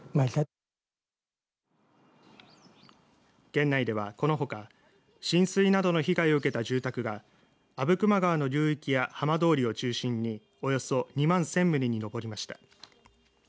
県内では、このほか浸水などの被害を受けた住宅が阿武隈川の流域や浜通りを中心におよそ２万１０００棟に上りました。